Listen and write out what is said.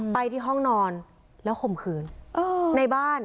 ไปที่ห้องนอนแล้วข่มขืนในบ้าน